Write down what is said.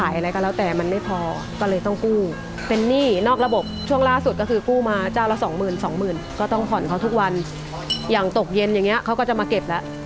อย่างตกเย็นอย่างนี้เขาก็จะมาเก็บแล้ว